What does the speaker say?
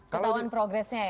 ketahuan progressnya ya